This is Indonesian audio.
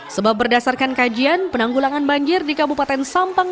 sebab berdasarkan kajian penanggulangan banjir di kabupaten sampang